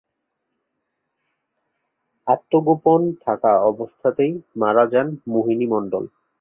আত্মগোপন থাকা অবস্থাতেই মারা যান মোহিনী মন্ডল।